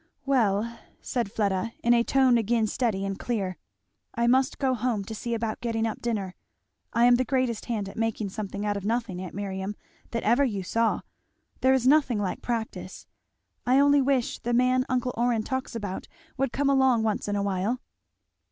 "Well," said Fleda, in a tone again steady and clear, "I must go home to see about getting up a dinner. I am the greatest hand at making something out of nothing, aunt Miriam, that ever you saw. There is nothing like practice. I only wish the man uncle Orrin talks about would come along once in a while."